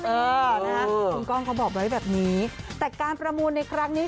เออนะฮะคุณกล้องเขาบอกไว้แบบนี้แต่การประมูลในครั้งนี้